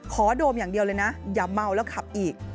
โดมอย่างเดียวเลยนะอย่าเมาแล้วขับอีก